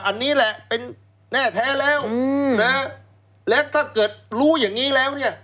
อันนี้แหละเป็นแน่แท้แล้วและถ้าเกิดรู้อย่างนี้แล้วเนี่ย